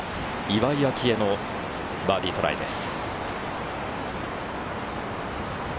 岩井明愛のバーディートライです。